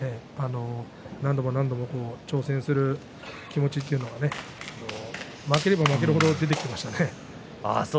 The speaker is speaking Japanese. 何度も何度も挑戦する気持ちというのは負ければ負ける程出てきましたね。